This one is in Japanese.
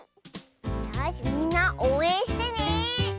よしみんなおうえんしてね。